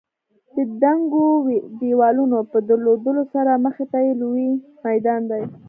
د دنګو دېوالونو په درلودلو سره مخې ته یې لوی میدان دی.